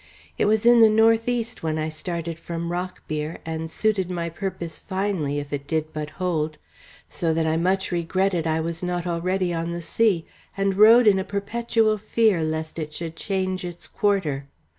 It was in the northeast when I started from Rockbere and suited my purpose finely if it did but hold; so that I much regretted I was not already on the sea, and rode in a perpetual fear lest it should change its quarter.